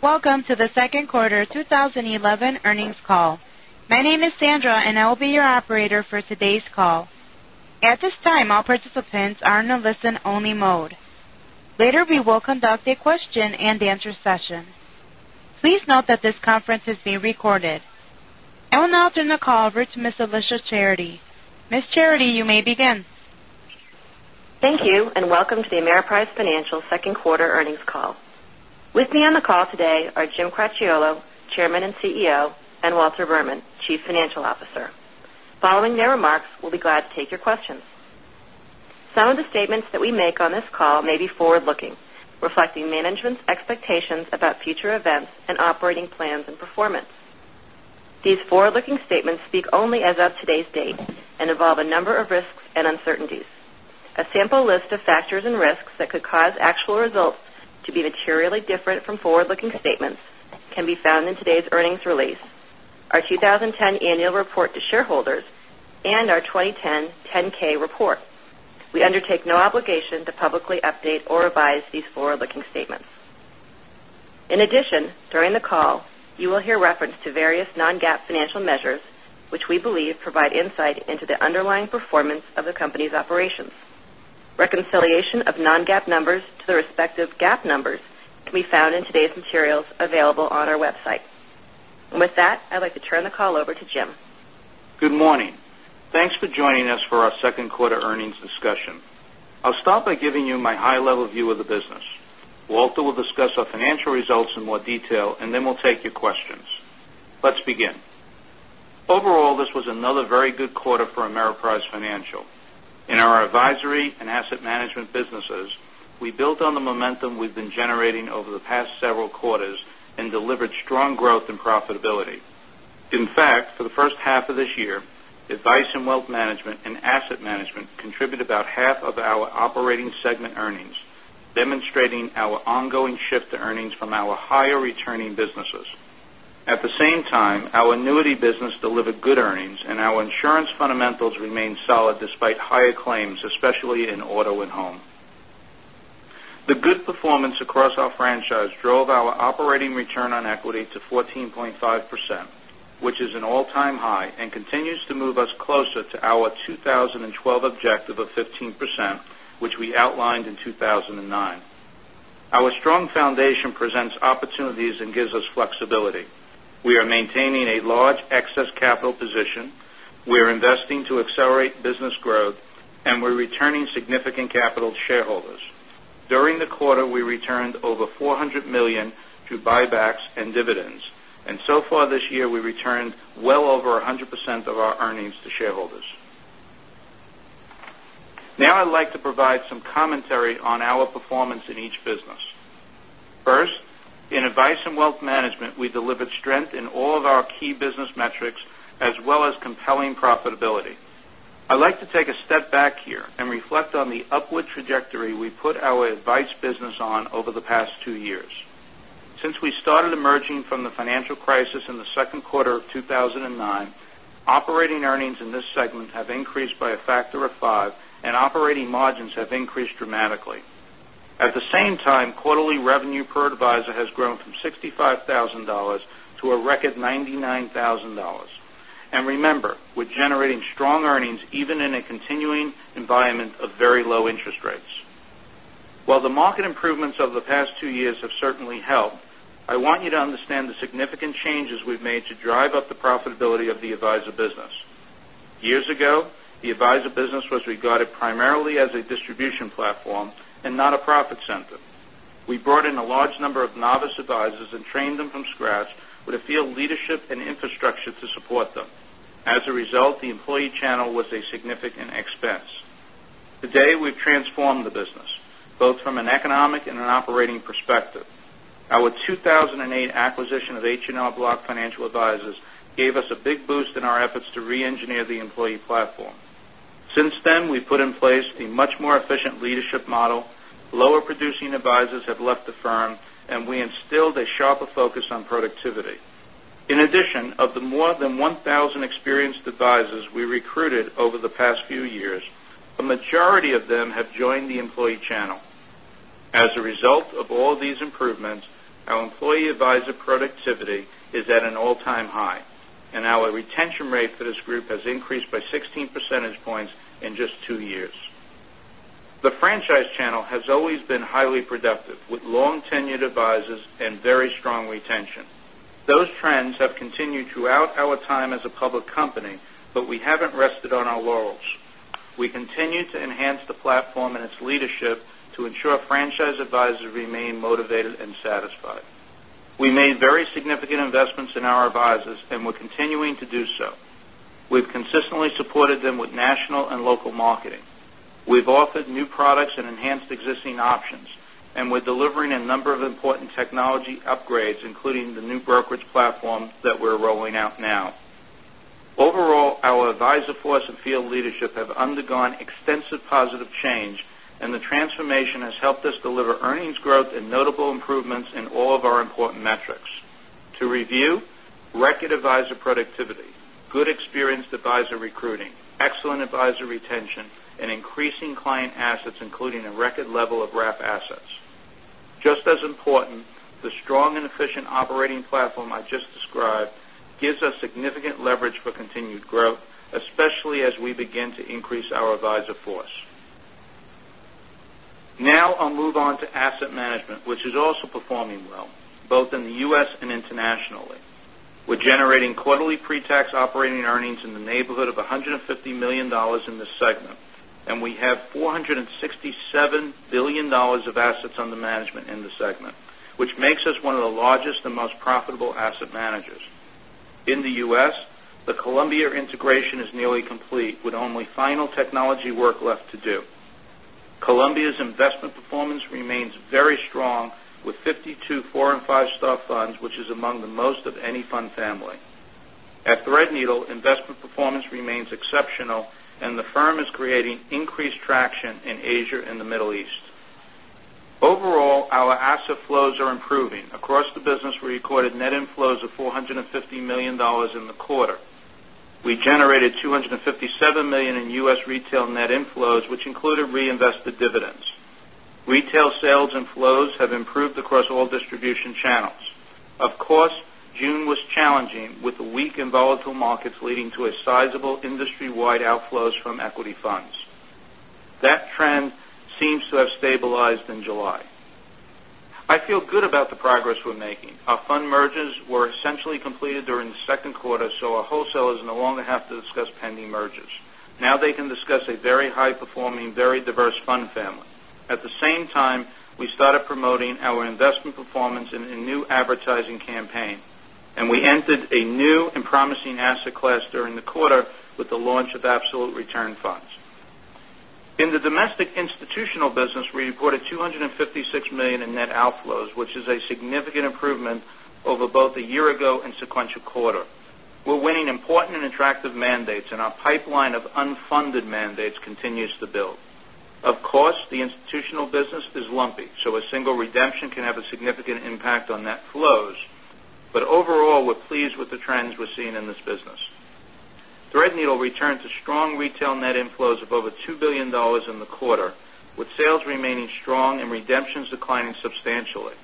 Welcome to the second quarter 2011 earnings call. My name is Sandra, and I will be your operator for today's call. At this time, all participants are in a listen-only mode. Later, we will conduct a question-and-answer session. Please note that this conference is being recorded. I will now turn the call over to Ms. Alicia Charity. Ms. Charity, you may begin. Thank you. Welcome to the Ameriprise Financial second quarter earnings call. With me on the call today are Jim Cracchiolo, Chairman and CEO, and Walter Berman, Chief Financial Officer. Following their remarks, we'll be glad to take your questions. Some of the statements that we make on this call may be forward-looking, reflecting management's expectations about future events and operating plans and performance. These forward-looking statements speak only as of today's date and involve a number of risks and uncertainties. A sample list of factors and risks that could cause actual results to be materially different from forward-looking statements can be found in today's earnings release, our 2010 annual report to shareholders, and our 2010 10-K report. We undertake no obligation to publicly update or revise these forward-looking statements. In addition, during the call, you will hear reference to various non-GAAP financial measures which we believe provide insight into the underlying performance of the company's operations. Reconciliation of non-GAAP numbers to their respective GAAP numbers can be found in today's materials available on our website. With that, I'd like to turn the call over to Jim. Good morning. Thanks for joining us for our second quarter earnings discussion. I'll start by giving you my high-level view of the business. Walter will discuss our financial results in more detail, and then we'll take your questions. Let's begin. Overall, this was another very good quarter for Ameriprise Financial. In our advisory and asset management businesses, we built on the momentum we've been generating over the past several quarters and delivered strong growth and profitability. In fact, for the first half of this year, advice and wealth management and asset management contribute about half of our operating segment earnings, demonstrating our ongoing shift to earnings from our higher-returning businesses. At the same time, our annuity business delivered good earnings, and our insurance fundamentals remained solid despite higher claims, especially in auto and home. The good performance across our franchise drove our operating return on equity to 14.5%, which is an all-time high and continues to move us closer to our 2012 objective of 15%, which we outlined in 2009. Our strong foundation presents opportunities and gives us flexibility. We are maintaining a large excess capital position. We are investing to accelerate business growth, we're returning significant capital to shareholders. During the quarter, we returned over $400 million to buybacks and dividends, and so far this year, we returned well over 100% of our earnings to shareholders. I'd like to provide some commentary on our performance in each business. First, in advice and wealth management, we delivered strength in all of our key business metrics as well as compelling profitability. I'd like to take a step back here and reflect on the upward trajectory we put our advice business on over the past two years. Since we started emerging from the financial crisis in the second quarter of 2009, operating earnings in this segment have increased by a factor of five, and operating margins have increased dramatically. At the same time, quarterly revenue per advisor has grown from $65,000 to a record $99,000. Remember, we're generating strong earnings even in a continuing environment of very low interest rates. While the market improvements over the past two years have certainly helped, I want you to understand the significant changes we've made to drive up the profitability of the advisor business. Years ago, the advisor business was regarded primarily as a distribution platform and not a profit center. We brought in a large number of novice advisors and trained them from scratch with a field leadership and infrastructure to support them. As a result, the employee channel was a significant expense. Today, we've transformed the business, both from an economic and an operating perspective. Our 2008 acquisition of H&R Block Financial Advisors gave us a big boost in our efforts to re-engineer the employee platform. Since then, we've put in place a much more efficient leadership model. Lower producing advisors have left the firm, we instilled a sharper focus on productivity. In addition, of the more than 1,000 experienced advisors we recruited over the past few years, a majority of them have joined the employee channel. As a result of all these improvements, our employee advisor productivity is at an all-time high, Our retention rate for this group has increased by 16 percentage points in just two years. The franchise channel has always been highly productive, with long-tenured advisors and very strong retention. Those trends have continued throughout our time as a public company, We haven't rested on our laurels. We continue to enhance the platform and its leadership to ensure franchise advisors remain motivated and satisfied. We made very significant investments in our advisors, We're continuing to do so. We've consistently supported them with national and local marketing. We've offered new products and enhanced existing options, We're delivering a number of important technology upgrades, including the new brokerage platform that we're rolling out now. Overall, our advisor force and field leadership have undergone extensive positive change, the transformation has helped us deliver earnings growth and notable improvements in all of our important metrics. To review, record advisor productivity, good experienced advisor recruiting, excellent advisor retention, and increasing client assets, including a record level of wrap assets. Just as important, the strong and efficient operating platform I just described gives us significant leverage for continued growth, especially as we begin to increase our advisor force. I'll move on to asset management, which is also performing well, both in the U.S. and internationally. We're generating quarterly pre-tax operating earnings in the neighborhood of $150 million in this segment, and we have $467 billion of assets under management in the segment, which makes us one of the largest and most profitable asset managers. In the U.S., the Columbia integration is nearly complete, with only final technology work left to do. Columbia's investment performance remains very strong, with 52 four and five-star funds, which is among the most of any fund family. At Threadneedle, investment performance remains exceptional, and the firm is creating increased traction in Asia and the Middle East. Overall, our asset flows are improving. Across the business, we recorded net inflows of $450 million in the quarter. We generated $257 million in U.S. retail net inflows, which included reinvested dividends. Retail sales and flows have improved across all distribution channels. Of course, June was challenging, with weak and volatile markets leading to a sizable industry-wide outflows from equity funds. That trend seems to have stabilized in July. I feel good about the progress we're making. Our fund mergers were essentially completed during the second quarter, our wholesalers no longer have to discuss pending mergers. They can discuss a very high-performing, very diverse fund family. At the same time, we started promoting our investment performance in a new advertising campaign, and we entered a new and promising asset class during the quarter with the launch of absolute return funds. In the domestic institutional business, we reported $256 million in net outflows, which is a significant improvement over both a year ago and sequential quarter. We're winning important and attractive mandates, and our pipeline of unfunded mandates continues to build. Of course, the institutional business is lumpy, so a single redemption can have a significant impact on net flows. Overall, we're pleased with the trends we're seeing in this business. Threadneedle returned to strong retail net inflows of over $2 billion in the quarter, with sales remaining strong and redemptions declining substantially.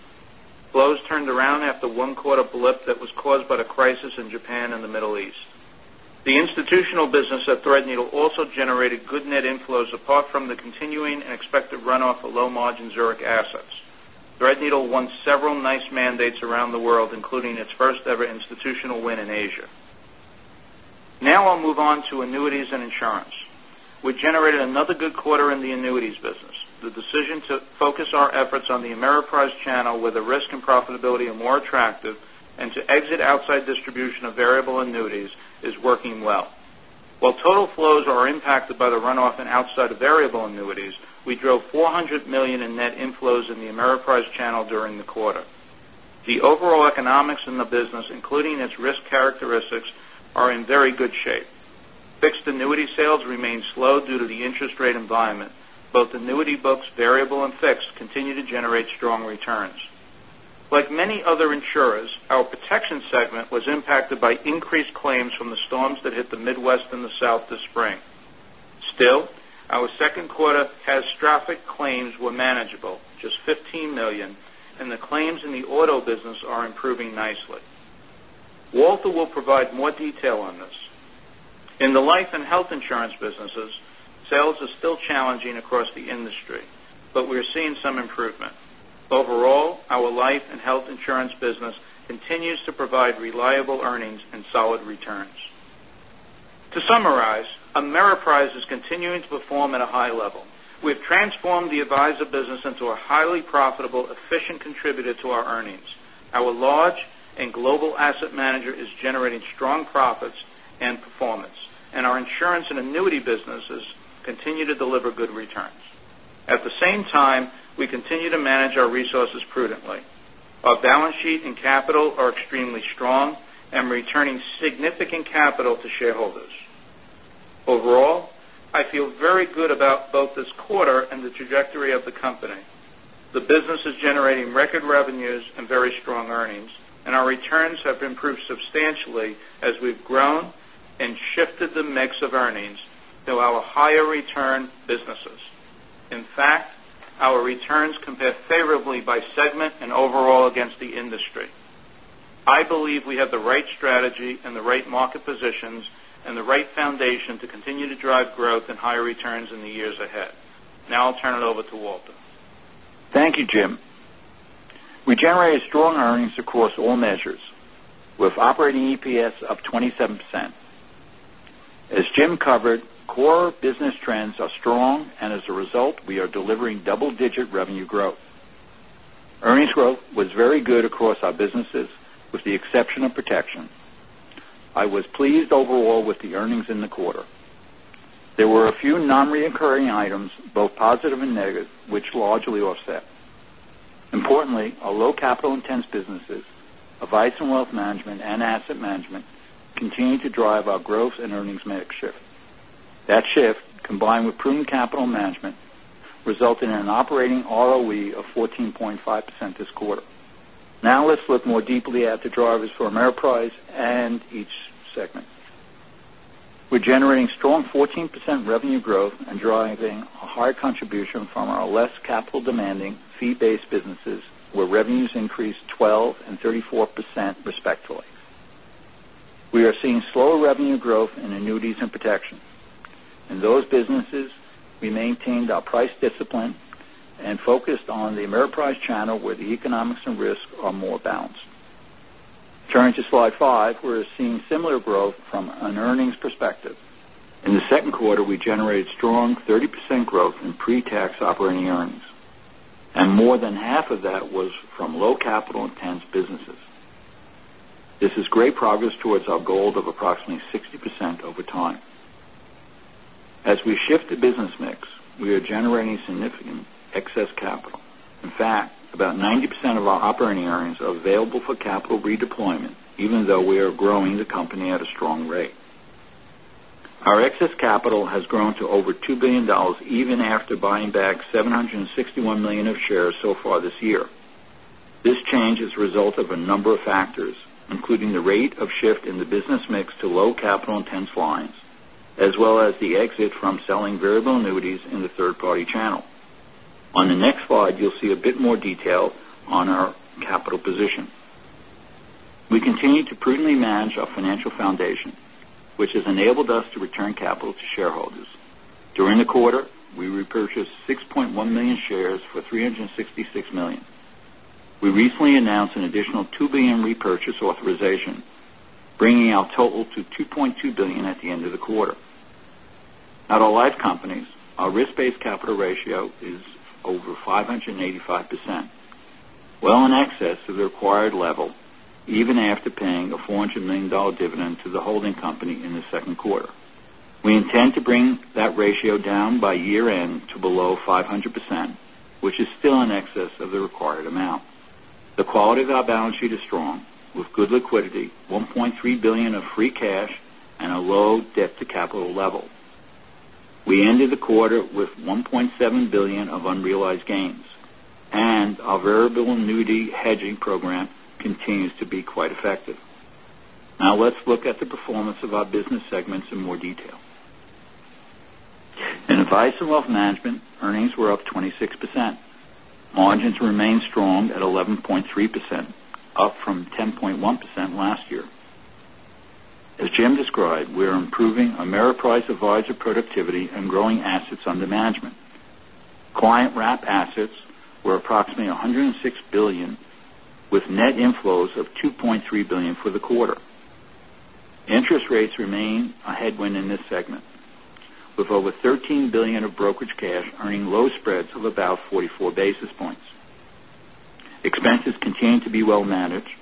Flows turned around after one quarter blip that was caused by the crisis in Japan and the Middle East. The institutional business at Threadneedle also generated good net inflows, apart from the continuing and expected runoff of low-margin Zurich assets. Threadneedle won several nice mandates around the world, including its first-ever institutional win in Asia. I'll move on to annuities and insurance. We generated another good quarter in the annuities business. The decision to focus our efforts on the Ameriprise channel, where the risk and profitability are more attractive, and to exit outside distribution of variable annuities is working well. While total flows are impacted by the runoff in outside variable annuities, we drove $400 million in net inflows in the Ameriprise channel during the quarter. The overall economics in the business, including its risk characteristics, are in very good shape. Fixed annuity sales remain slow due to the interest rate environment. Both annuity books, variable and fixed, continue to generate strong returns. Like many other insurers, our protection segment was impacted by increased claims from the storms that hit the Midwest and the South this spring. Still, our second quarter catastrophic claims were manageable, just $15 million, and the claims in the auto business are improving nicely. Walter will provide more detail on this. In the life and health insurance businesses, sales are still challenging across the industry, but we are seeing some improvement. Overall, our life and health insurance business continues to provide reliable earnings and solid returns. To summarize, Ameriprise is continuing to perform at a high level. We've transformed the advisor business into a highly profitable, efficient contributor to our earnings. Our large and global asset manager is generating strong profits and performance, and our insurance and annuity businesses continue to deliver good returns. At the same time, we continue to manage our resources prudently. Our balance sheet and capital are extremely strong and returning significant capital to shareholders. Overall, I feel very good about both this quarter and the trajectory of the company. The business is generating record revenues and very strong earnings, and our returns have improved substantially as we've grown and shifted the mix of earnings to our higher return businesses. In fact, our returns compare favorably by segment and overall against the industry. I believe we have the right strategy and the right market positions and the right foundation to continue to drive growth and higher returns in the years ahead. Now I'll turn it over to Walter. Thank you, Jim. We generated strong earnings across all measures, with operating EPS of $0.27. As Jim covered, core business trends are strong, and as a result, we are delivering double-digit revenue growth. Earnings growth was very good across our businesses, with the exception of protection. I was pleased overall with the earnings in the quarter. There were a few non-reoccurring items, both positive and negative, which largely offset. Importantly, our low capital-intense businesses, advice and wealth management and asset management, continue to drive our growth and earnings mix shift. That shift, combined with prudent capital management, resulted in an operating ROE of 14.5% this quarter. Now let's look more deeply at the drivers for Ameriprise and each segment. We're generating strong 14% revenue growth and driving a high contribution from our less capital-demanding fee-based businesses, where revenues increased 12% and 34%, respectively. We are seeing slower revenue growth in annuities and protection. In those businesses, we maintained our price discipline and focused on the Ameriprise channel where the economics and risk are more balanced. Turning to slide five, we're seeing similar growth from an earnings perspective. In the second quarter, we generated strong 30% growth in pre-tax operating earnings, and more than half of that was from low capital intense businesses. This is great progress towards our goal of approximately 60% over time. As we shift the business mix, we are generating significant excess capital. In fact, about 90% of our operating earnings are available for capital redeployment, even though we are growing the company at a strong rate. Our excess capital has grown to over $2 billion, even after buying back $761 million of shares so far this year. This change is the result of a number of factors, including the rate of shift in the business mix to low capital intense lines, as well as the exit from selling variable annuities in the third-party channel. On the next slide, you'll see a bit more detail on our capital position. We continue to prudently manage our financial foundation, which has enabled us to return capital to shareholders. During the quarter, we repurchased 6.1 million shares for $366 million. We recently announced an additional $2 billion repurchase authorization, bringing our total to $2.2 billion at the end of the quarter. At our life companies, our risk-based capital ratio is over 585%, well in excess of the required level, even after paying a $400 million dividend to the holding company in the second quarter. We intend to bring that ratio down by year-end to below 500%, which is still in excess of the required amount. The quality of our balance sheet is strong with good liquidity, $1.3 billion of free cash, and a low debt-to-capital level. We ended the quarter with $1.7 billion of unrealized gains, and our variable annuity hedging program continues to be quite effective. Now let's look at the performance of our business segments in more detail. In Advice and Wealth Management, earnings were up 26%. Margins remained strong at 11.3%, up from 10.1% last year. As Jim described, we are improving Ameriprise advisor productivity and growing assets under management. Client wrap assets were approximately $106 billion, with net inflows of $2.3 billion for the quarter. Interest rates remain a headwind in this segment, with over $13 billion of brokerage cash earning low spreads of about 44 basis points. Expenses continue to be well managed.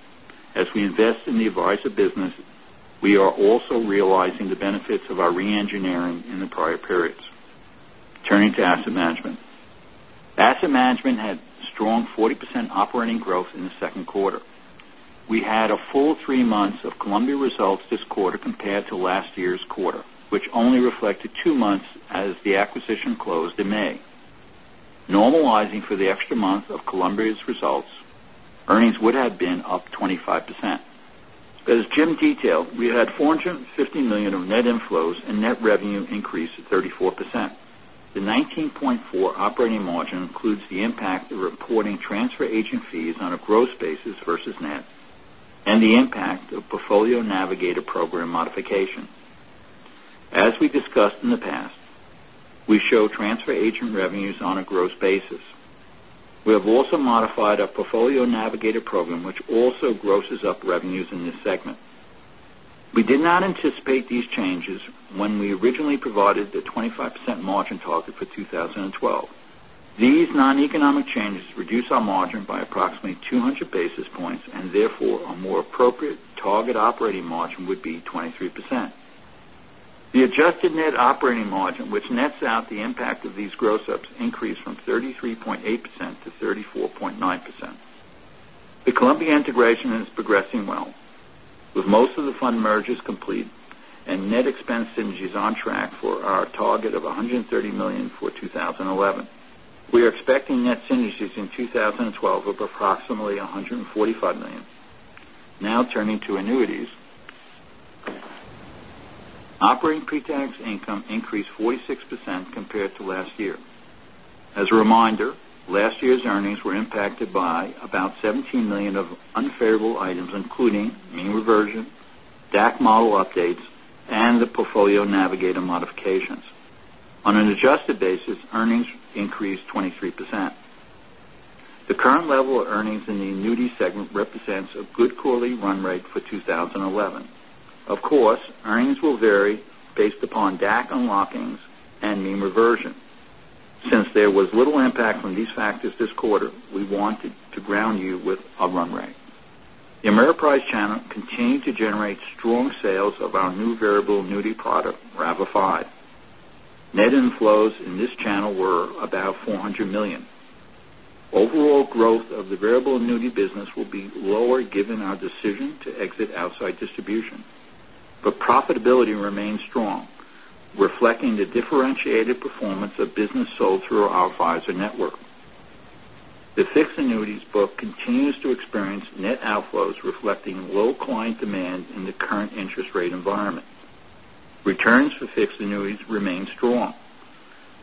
As we invest in the advisor business, we are also realizing the benefits of our re-engineering in the prior periods. Turning to Asset Management. Asset Management had strong 40% operating growth in the second quarter. We had a full three months of Columbia results this quarter compared to last year's quarter, which only reflected two months as the acquisition closed in May. Normalizing for the extra month of Columbia's results, earnings would have been up 25%. As Jim detailed, we had $450 million of net inflows and net revenue increase of 34%. The 19.4 operating margin includes the impact of reporting transfer agent fees on a gross basis versus net, and the impact of Portfolio Navigator program modification. As we discussed in the past, we show transfer agent revenues on a gross basis. We have also modified our Portfolio Navigator program, which also grosses up revenues in this segment. We did not anticipate these changes when we originally provided the 25% margin target for 2012. These non-economic changes reduce our margin by approximately 200 basis points, and therefore, a more appropriate target operating margin would be 23%. The adjusted net operating margin, which nets out the impact of these gross ups, increased from 33.8% to 34.9%. The Columbia integration is progressing well, with most of the fund merges complete and net expense synergies on track for our target of $130 million for 2011. We are expecting net synergies in 2012 of approximately $145 million. Now turning to Annuities. Operating pre-tax income increased 46% compared to last year. As a reminder, last year's earnings were impacted by about $17 million of unfavorable items, including mean reversion, DAC model updates, and the Portfolio Navigator modifications. On an adjusted basis, earnings increased 23%. The current level of earnings in the Annuity segment represents a good quarterly run rate for 2011. Of course, earnings will vary based upon DAC unlockings and mean reversion. Since there was little impact from these factors this quarter, we wanted to ground you with a run rate. The Ameriprise channel continued to generate strong sales of our new variable annuity product, RAVA 5. Net inflows in this channel were about $400 million. Profitability remains strong, reflecting the differentiated performance of business sold through our advisor network. The fixed annuities book continues to experience net outflows, reflecting low client demand in the current interest rate environment. Returns for fixed annuities remain strong,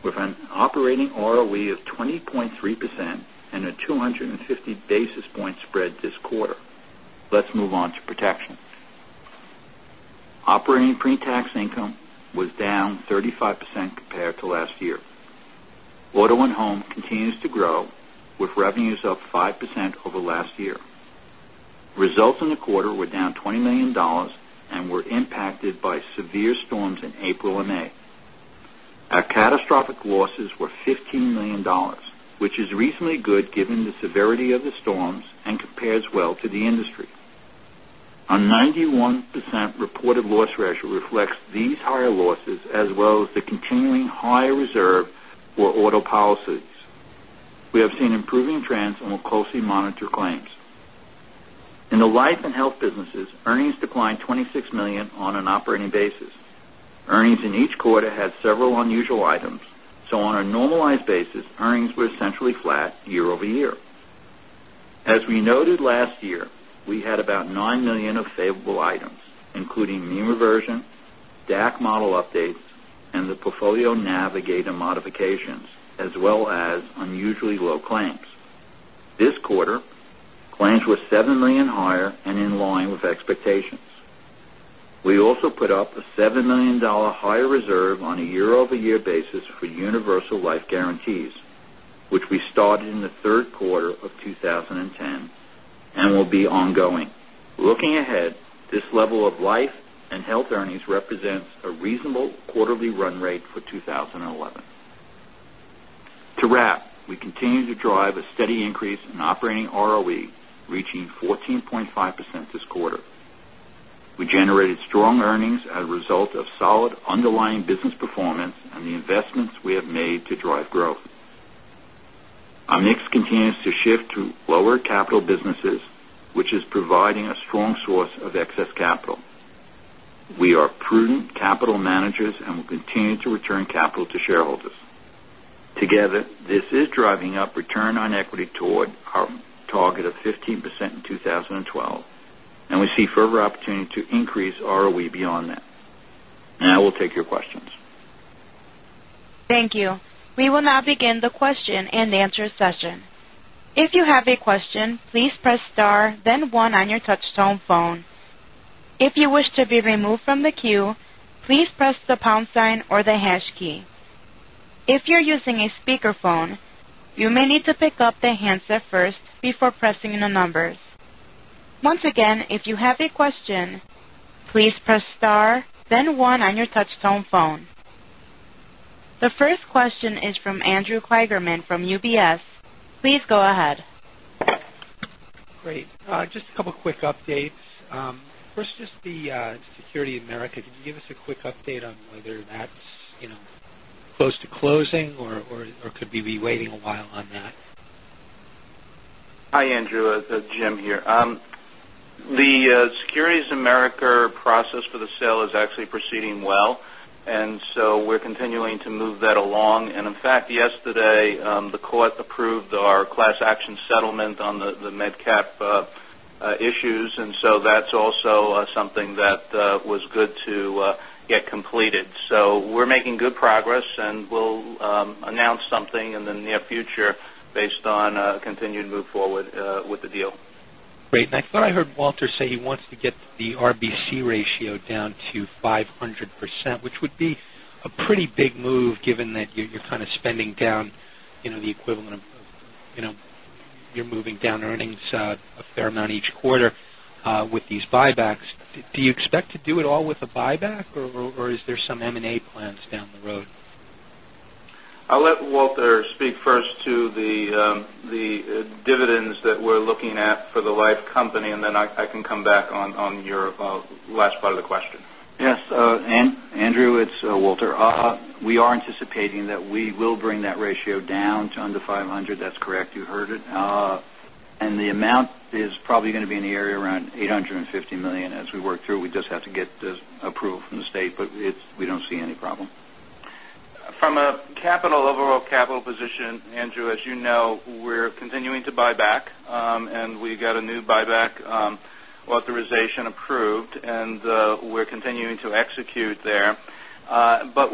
with an operating ROE of 20.3% and a 250 basis point spread this quarter. Let's move on to protection. Operating pretax income was down 35% compared to last year. Auto and home continues to grow, with revenues up 5% over last year. Results in the quarter were down $20 million and were impacted by severe storms in April and May. Our catastrophic losses were $15 million, which is reasonably good given the severity of the storms and compares well to the industry. A 91% reported loss ratio reflects these higher losses, as well as the continuing high reserve for auto policies. We have seen improving trends and will closely monitor claims. In the life and health businesses, earnings declined $26 million on an operating basis. Earnings in each quarter had several unusual items, so on a normalized basis, earnings were essentially flat year-over-year. As we noted last year, we had about $9 million of favorable items, including mean reversion, DAC model updates, and the Portfolio Navigator modifications, as well as unusually low claims. This quarter, claims were $7 million higher and in line with expectations. We also put up a $7 million higher reserve on a year-over-year basis for universal life guarantees, which we started in the third quarter of 2010 and will be ongoing. Looking ahead, this level of life and health earnings represents a reasonable quarterly run rate for 2011. To wrap, we continue to drive a steady increase in operating ROE, reaching 14.5% this quarter. We generated strong earnings as a result of solid underlying business performance and the investments we have made to drive growth. Our mix continues to shift to lower capital businesses, which is providing a strong source of excess capital. We are prudent capital managers and will continue to return capital to shareholders. Together, this is driving up return on equity toward our target of 15% in 2012, and we see further opportunity to increase ROE beyond that. I will take your questions. Thank you. We will now begin the question-and-answer session. If you have a question, please press star then one on your touchtone phone. If you wish to be removed from the queue, please press the pound sign or the hash key. If you're using a speakerphone, you may need to pick up the handset first before pressing the numbers. Once again, if you have a question, please press star then one on your touchtone phone. The first question is from Andrew Kligerman from UBS. Please go ahead. Great. Just a couple of quick updates. First, just the Securities America. Can you give us a quick update on whether that's close to closing, or could we be waiting a while on that? Hi, Andrew. Jim here. The Securities America process for the sale is actually proceeding well, we're continuing to move that along. In fact, yesterday, the court approved our class action settlement on the MedCap issues, that's also something that was good to get completed. We're making good progress, and we'll announce something in the near future based on continued move forward with the deal. Great. I thought I heard Walter say he wants to get the RBC ratio down to 500%, which would be a pretty big move given that you're kind of moving down earnings a fair amount each quarter with these buybacks. Do you expect to do it all with a buyback, or is there some M&A plans down the road? I'll let Walter speak first to the dividends that we're looking at for the life company, then I can come back on your last part of the question. Yes. Andrew, it's Walter. We are anticipating that we will bring that ratio down to under 500. That's correct. You heard it. The amount is probably going to be in the area around $850 million as we work through. We just have to get the approval from the state, we don't see any problem. From an overall capital position, Andrew, as you know, we're continuing to buy back, and we got a new buyback authorization approved, and we're continuing to execute there.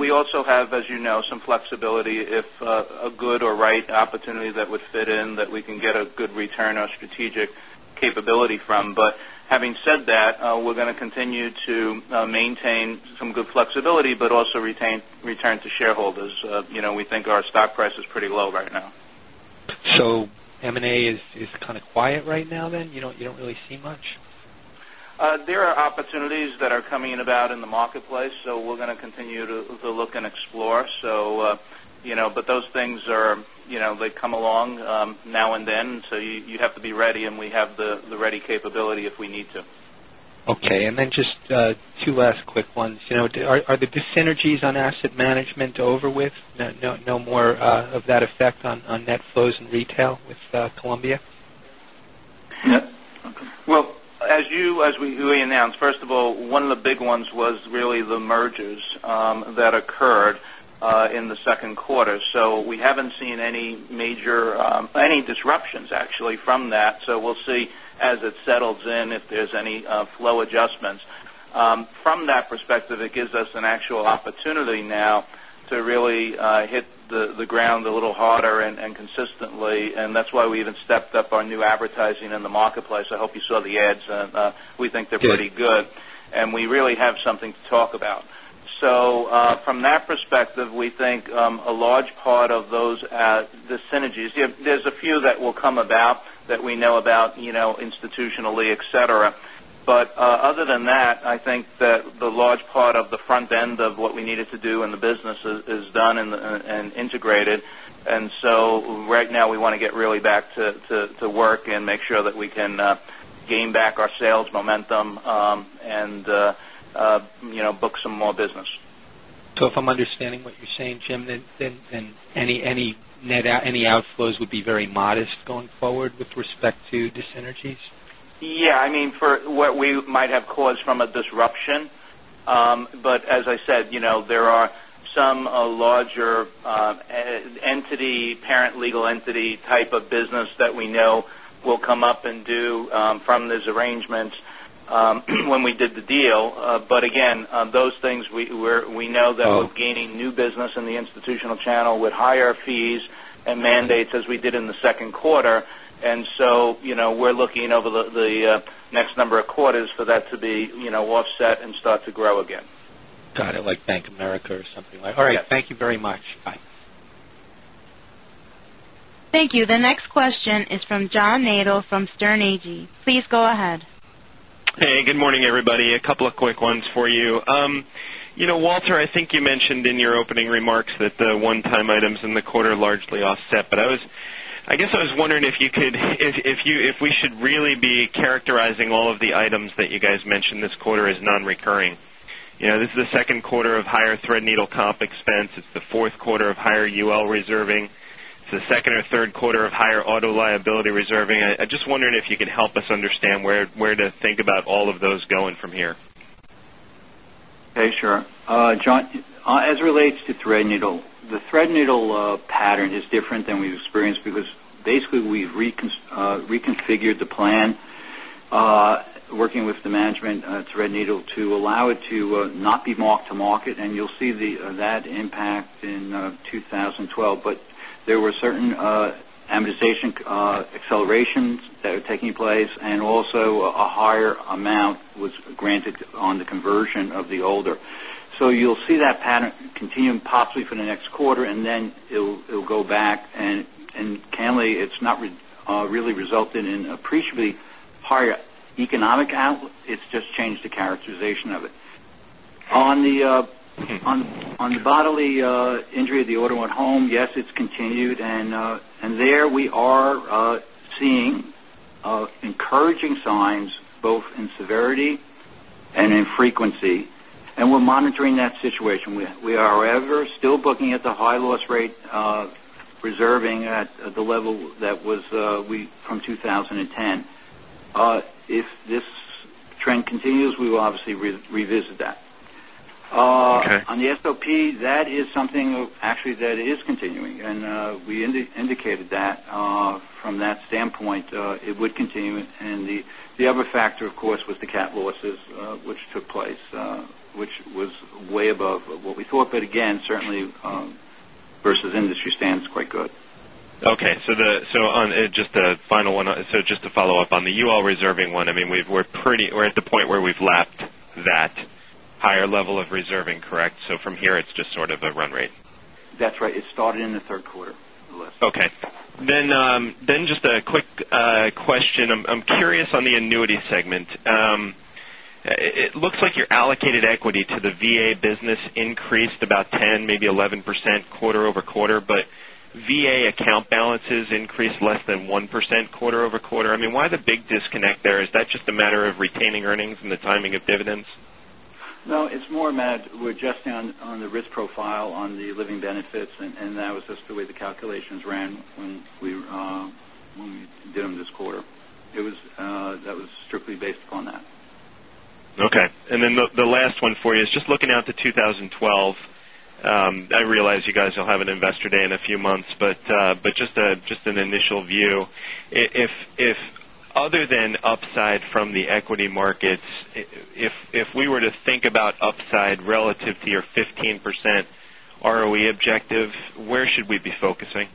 We also have, as you know, some flexibility if a good or right opportunity that would fit in that we can get a good return or strategic capability from. Having said that, we're going to continue to maintain some good flexibility but also return to shareholders. We think our stock price is pretty low right now. M&A is kind of quiet right now then? You don't really see much? There are opportunities that are coming about in the marketplace, so we're going to continue to look and explore. Those things come along now and then, so you have to be ready, and we have the ready capability if we need to. Okay. Then just two last quick ones. Are the dyssynergies on asset management over with? No more of that effect on net flows in retail with Columbia? Well, as we announced, first of all, one of the big ones was really the mergers that occurred in the second quarter. We haven't seen any major disruptions, actually, from that. We'll see as it settles in, if there's any flow adjustments. From that perspective, it gives us an actual opportunity now to really hit the ground a little harder and consistently, that's why we even stepped up our new advertising in the marketplace. I hope you saw the ads. We think they're pretty good. Yes. We really have something to talk about. From that perspective, we think a large part of those, the synergies, there's a few that will come about that we know about institutionally, et cetera. Other than that, I think that the large part of the front end of what we needed to do in the business is done and integrated. Right now we want to get really back to work and make sure that we can gain back our sales momentum and book some more business. If I'm understanding what you're saying, Jim, then any outflows would be very modest going forward with respect to dyssynergies? Yeah, for what we might have caused from a disruption. As I said, there are some larger entity, parent legal entity type of business that we know will come up and due from those arrangements when we did the deal. Again, those things we know that we're gaining new business in the institutional channel with higher fees and mandates as we did in the second quarter. So, we're looking over the next number of quarters for that to be offset and start to grow again. Got it, like Bank of America or something like that. All right. Thank you very much. Bye. Thank you. The next question is from John Nadel from Sterne Agee. Please go ahead. Hey, good morning, everybody. A couple of quick ones for you. Walter, I think you mentioned in your opening remarks that the one-time items in the quarter are largely offset, I guess I was wondering if we should really be characterizing all of the items that you guys mentioned this quarter as non-recurring. This is the second quarter of higher Threadneedle comp expense. It's the fourth quarter of higher UL reserving. It's the second or third quarter of higher auto liability reserving. I'm just wondering if you could help us understand where to think about all of those going from here. Okay, sure. John, as it relates to Threadneedle, the Threadneedle pattern is different than we've experienced because basically we've reconfigured the plan, working with the management at Threadneedle to allow it to not be marked to market, and you'll see that impact in 2012. There were certain amortization accelerations that are taking place, and also a higher amount was granted on the conversion of the older. You'll see that pattern continuing possibly for the next quarter, and then it will go back, and candidly, it's not really resulted in appreciably higher economic output. It's just changed the characterization of it. On the bodily injury of the auto and home, yes, it's continued, and there we are seeing encouraging signs both in severity and in frequency, and we're monitoring that situation. We are ever still looking at the high loss rate of reserving at the level that was from 2010. If this trend continues, we will obviously revisit that. Okay. On the SOP, that is something actually that is continuing, and we indicated that from that standpoint, it would continue. The other factor, of course, was the cat losses, which took place, which was way above what we thought. Again, certainly, versus industry stands quite good. Okay. Just a final one. Just to follow up on the UL reserving one, we're at the point where we've lapped that higher level of reserving, correct? From here, it's just sort of a run rate. That's right. It started in the third quarter less. Okay. Just a quick question. I'm curious on the annuity segment. It looks like your allocated equity to the VA business increased about 10%, maybe 11% quarter-over-quarter, but VA account balances increased less than 1% quarter-over-quarter. Why the big disconnect there? Is that just a matter of retaining earnings and the timing of dividends? No, it's more, John Nadel, we're adjusting on the risk profile on the living benefits, and that was just the way the calculations ran when we did them this quarter. That was strictly based upon that. Okay. The last one for you is just looking out to 2012. I realize you guys will have an investor day in a few months, but just an initial view. If other than upside from the equity markets, if we were to think about upside relative to your 15% ROE objective, where should we be focusing?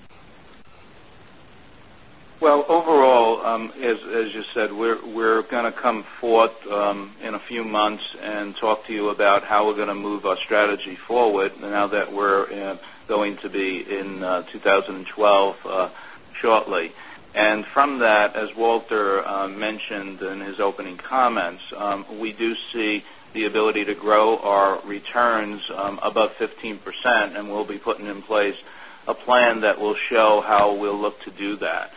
Well, overall, as you said, we're going to come forth in a few months and talk to you about how we're going to move our strategy forward now that we're going to be in 2012 shortly. From that, as Walter mentioned in his opening comments, we do see the ability to grow our returns above 15%, and we'll be putting in place a plan that will show how we'll look to do that.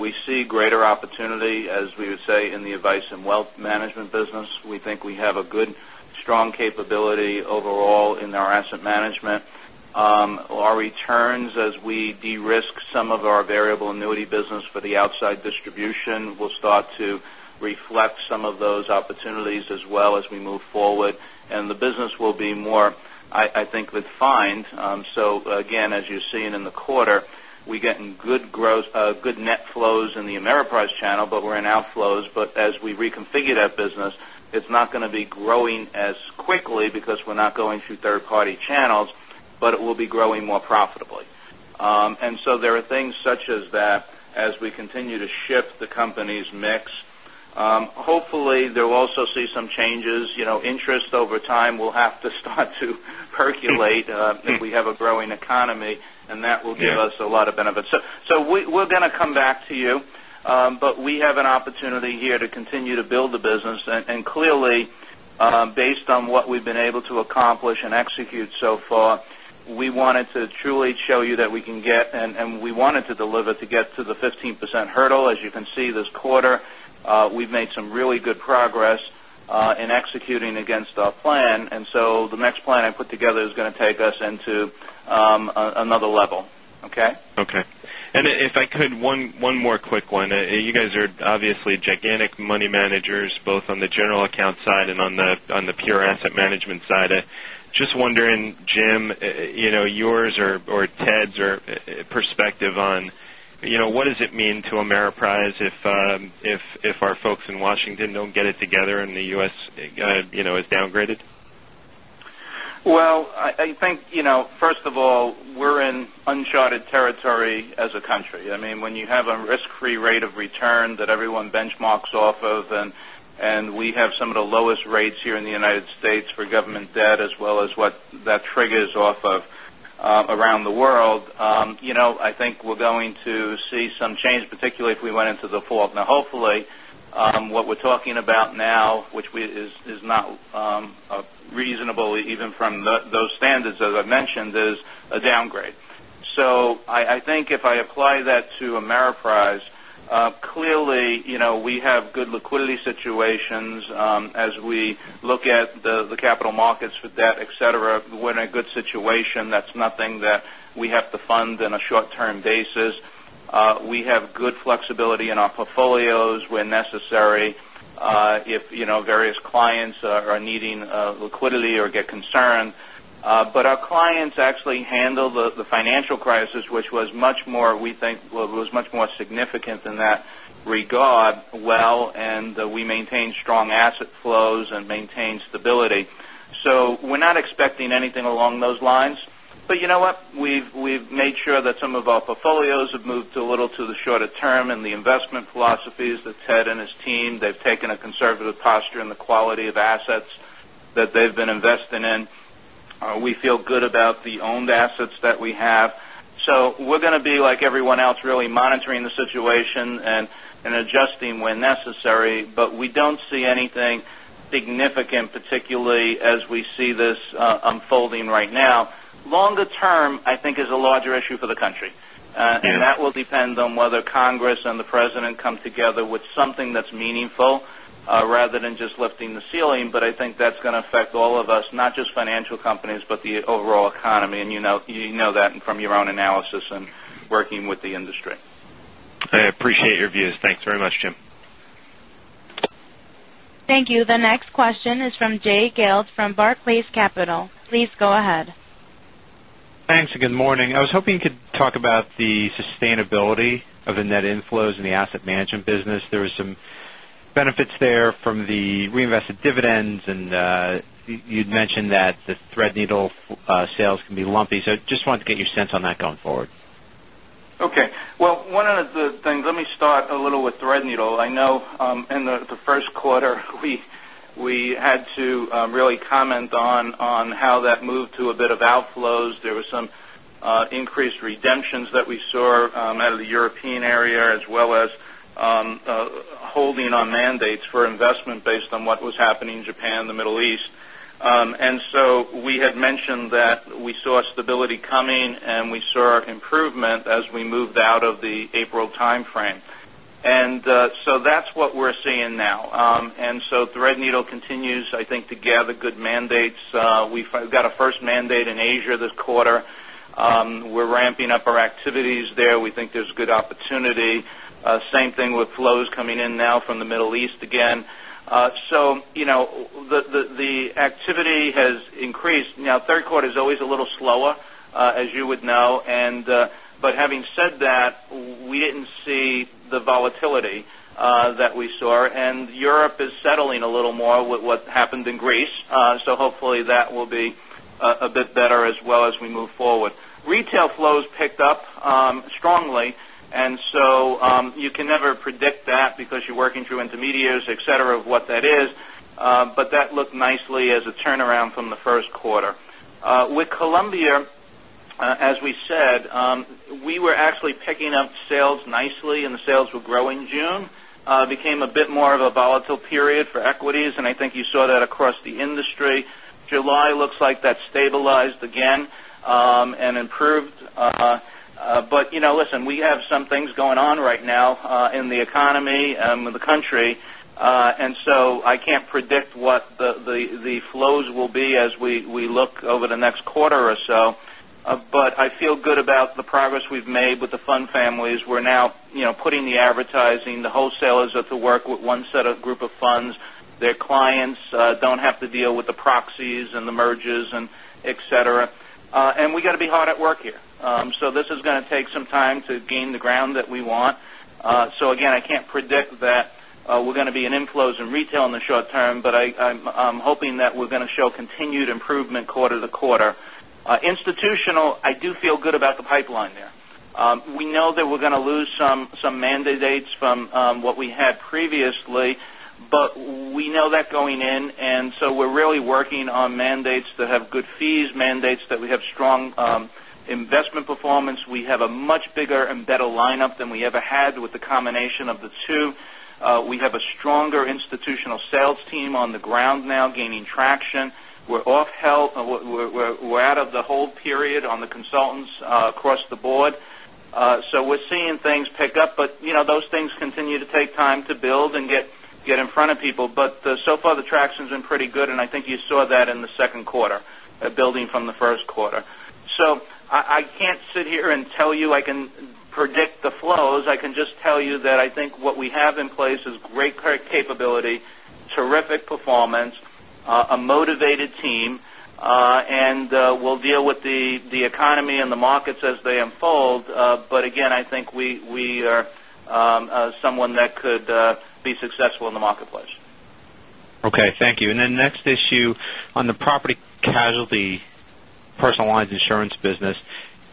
We see greater opportunity, as we would say, in the advice and wealth management business. We think we have a good, strong capability overall in our asset management. Our returns, as we de-risk some of our variable annuity business for the outside distribution, will start to reflect some of those opportunities as well as we move forward. The business will be more, I think, refined. Again, as you're seeing in the quarter, we're getting good net flows in the Ameriprise channel, but we're in outflows. As we reconfigure that business, it's not going to be growing as quickly because we're not going through third-party channels, but it will be growing more profitably. There are things such as that as we continue to shift the company's mix. Hopefully, they will also see some changes. Interest over time will have to start to percolate if we have a growing economy, and that will give us a lot of benefits. We're going to come back to you. We have an opportunity here to continue to build the business. Clearly, based on what we've been able to accomplish and execute so far, we wanted to truly show you that we wanted to deliver to get to the 15% hurdle. As you can see this quarter, we've made some really good progress in executing against our plan. The next plan I put together is going to take us into another level. Okay? Okay. If I could, one more quick one. You guys are obviously gigantic money managers, both on the general account side and on the pure asset management side. Just wondering, Jim, yours or Ted's perspective on what does it mean to Ameriprise if our folks in Washington don't get it together and the U.S. is downgraded? Well, I think, first of all, we're in uncharted territory as a country. When you have a risk-free rate of return that everyone benchmarks off of, and we have some of the lowest rates here in the U.S. for government debt, as well as what that triggers off of around the world, I think we're going to see some change, particularly if we went into default. Hopefully, what we're talking about now, which is not reasonable even from those standards, as I mentioned, is a downgrade. I think if I apply that to Ameriprise, clearly, we have good liquidity situations. As we look at the capital markets with debt, et cetera, we're in a good situation. That's nothing that we have to fund in a short-term basis. We have good flexibility in our portfolios where necessary, if various clients are needing liquidity or get concerned. Our clients actually handle the financial crisis, which was much more significant than that regard, well, and we maintain strong asset flows and maintain stability. We're not expecting anything along those lines. You know what? We've made sure that some of our portfolios have moved a little to the shorter term, and the investment philosophies that Ted and his team, they've taken a conservative posture in the quality of assets that they've been investing in. We feel good about the owned assets that we have. We're going to be like everyone else, really monitoring the situation and adjusting when necessary. We don't see anything significant, particularly as we see this unfolding right now. Longer term, I think is a larger issue for the country. Yeah. That will depend on whether Congress and the President come together with something that's meaningful rather than just lifting the ceiling. I think that's going to affect all of us, not just financial companies, but the overall economy. You know that from your own analysis and working with the industry. I appreciate your views. Thanks very much, Jim. Thank you. The next question is from Jay Gelb from Barclays Capital. Please go ahead. Thanks. Good morning. I was hoping you could talk about the sustainability of the net inflows in the asset management business. There were some benefits there from the reinvested dividends, you'd mentioned that the Threadneedle sales can be lumpy. Just wanted to get your sense on that going forward. Okay. Well, one of the things, let me start a little with Threadneedle. I know in the first quarter, we had to really comment on how that moved to a bit of outflows. There were some increased redemptions that we saw out of the European area, as well as holding on mandates for investment based on what was happening in Japan and the Middle East. We had mentioned that we saw stability coming, we saw improvement as we moved out of the April timeframe. That's what we're seeing now. Threadneedle continues, I think, to gather good mandates. We've got a first mandate in Asia this quarter. We're ramping up our activities there. We think there's good opportunity. Same thing with flows coming in now from the Middle East again. The activity has increased. Third quarter is always a little slower, as you would know. Having said that, we didn't see the volatility that we saw, Europe is settling a little more with what happened in Greece. Hopefully, that will be a bit better as well as we move forward. Retail flows picked up strongly, you can never predict that because you're working through intermediaries, et cetera, of what that is. That looked nicely as a turnaround from the first quarter. With Columbia, as we said, we were actually picking up sales nicely, the sales were growing. June became a bit more of a volatile period for equities, I think you saw that across the industry July looks like that stabilized again, improved. Listen, we have some things going on right now, in the economy and with the country. I can't predict what the flows will be as we look over the next quarter or so. I feel good about the progress we've made with the fund families. We're now putting the advertising, the wholesalers have to work with one set of group of funds. Their clients don't have to deal with the proxies and the merges, et cetera. We got to be hard at work here. This is going to take some time to gain the ground that we want. Again, I can't predict that we're going to be in inflows in retail in the short term, but I'm hoping that we're going to show continued improvement quarter to quarter. Institutional, I do feel good about the pipeline there. We know that we're going to lose some mandates from what we had previously, but we know that going in, we're really working on mandates that have good fees, mandates that we have strong investment performance. We have a much bigger and better lineup than we ever had with the combination of the two. We have a stronger institutional sales team on the ground now gaining traction. We're off held. We're out of the hold period on the consultants across the board. We're seeing things pick up, but those things continue to take time to build and get in front of people. So far, the traction's been pretty good, and I think you saw that in the second quarter, building from the first quarter. I can't sit here and tell you I can predict the flows. I can just tell you that I think what we have in place is great capability, terrific performance, a motivated team. We'll deal with the economy and the markets as they unfold. Again, I think we are someone that could be successful in the marketplace. Okay, thank you. Next issue on the property casualty personal lines insurance business,